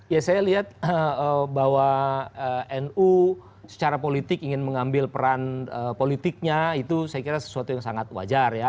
ya saya lihat bahwa nu secara politik ingin mengambil peran politiknya itu saya kira sesuatu yang sangat wajar ya